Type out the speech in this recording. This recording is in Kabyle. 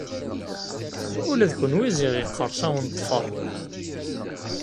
Ula d kuniw ziɣ iqqers-awen ṭṭfer!